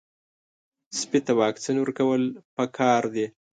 سپي ته واکسین ورکول پکار دي.